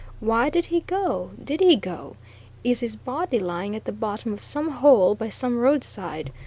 Why did he go? Did he go? Is his body lying at the bottom of some hole by some roadside?